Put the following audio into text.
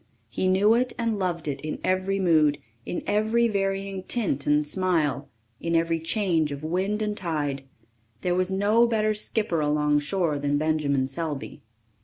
He knew it and loved it in every mood, in every varying tint and smile, in every change of wind and tide. There was no better skipper alongshore than Benjamin Selby.